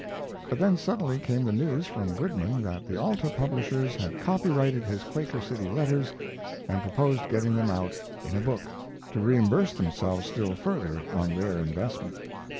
But then suddenly came the news from Goodman that the Alta publishers had copyrighted his Quaker City letters and proposed getting them out in a book, to reimburse themselves still further on their investment.